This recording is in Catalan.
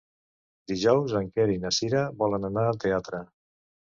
Dijous en Quer i na Cira volen anar al teatre.